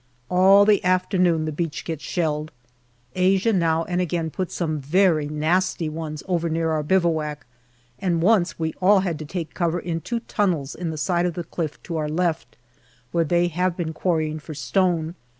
All the afternoon the beach gets shelled. Asia now and again puts some very nasty ones near our bivouac, and once we all had to take cover in two tunnels in the side of the cliff to our left, where they have been quarrying for stone.